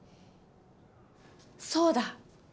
そうだ！